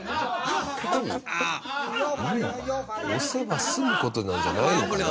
押せば済む事なんじゃないのかな？